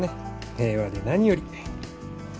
平和で何より。